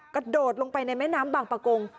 กระโดดลงไปในแม่น้ำบางประกง